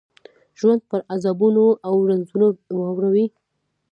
ژوند په عذابونو او رنځونو واړوي.